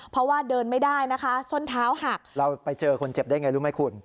เพราะว่าเดินไม่ได้นะคะส้นเท้าหักเราไปเจอคนเจ็บได้ไงรู้ไหมคุณ